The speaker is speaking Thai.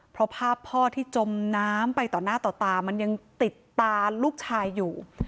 เพราะภาพพ่อที่จมน้ำไปต่อหน้าต่อตามันยังติดตาลูกชายอยู่